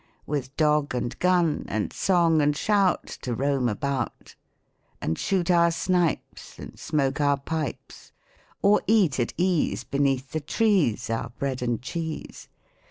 With dog and gun, And song and shout, To roam about ! And shoot our snipes ! And smoke our pipes ! Or eat at ease. Beneath the trees, Our bread and cheese